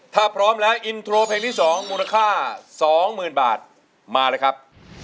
ถ้าพร้อมแล้วอินโทรเพลงที่๒มูลค่า๒๐๐๐บาทมาเลยครับ